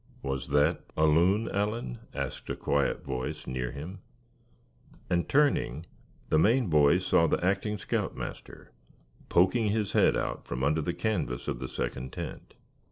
"Was that a loon, Allan," asked a quiet voice near him; and turning, the Maine boy saw the acting scout master poking his head out from under the canvas of the second tent.